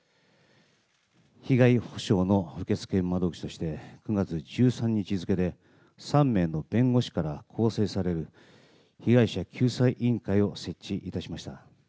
被害補償の受け付けの窓口として、９月１３日付で３名の弁護士から構成される被害者救済委員会を設置いたしました。